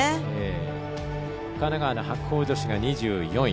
神奈川の白鵬女子が２４位。